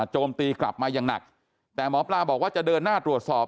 โจมตีกลับมาอย่างหนักแต่หมอปลาบอกว่าจะเดินหน้าตรวจสอบ